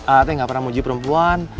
ah teh gak pernah mau uji perempuan